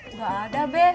nggak ada be